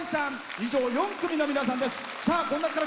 以上、４組の皆さんです。